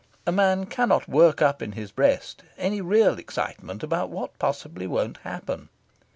A man cannot work up in his breast any real excitement about what possibly won't happen.